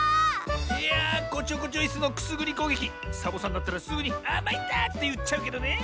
いやこちょこちょいすのくすぐりこうげきサボさんだったらすぐに「まいった！」っていっちゃうけどね。